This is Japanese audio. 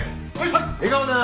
笑顔でな。